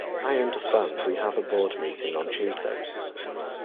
I understand we have a board meeting on Tuesday